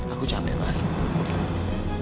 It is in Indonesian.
aku jangan beban